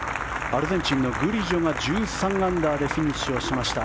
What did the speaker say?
アルゼンチンのグリジョが１３アンダーでフィニッシュをしました。